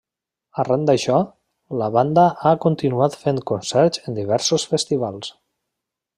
Arran d'això, la banda ha continuat fent concerts en diversos festivals.